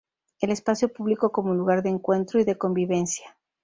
el espacio público como lugar de encuentro y de convivencia